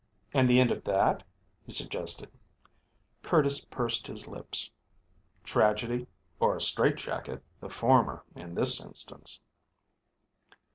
"And the end of that?" he suggested. Curtis pursed his lips. "Tragedy, or a strait jacket. The former, in this instance."